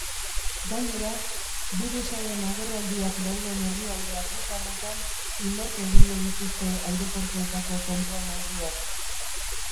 Gainera, birusaren agerraldiak dauden herrialde afrikarretan indartu egingo dituzte aireportuetako kontrol neurriak.